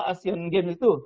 asian game itu